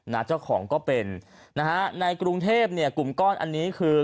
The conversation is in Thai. เจ้าของก็เป็นนะฮะในกรุงเทพเนี่ยกลุ่มก้อนอันนี้คือ